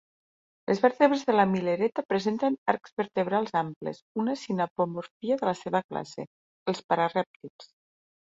Les vèrtebres de la "Milleretta" presenten arcs vertebrals amples, una sinapomorfia de la seva classe, els pararèptils.